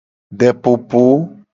Depopo.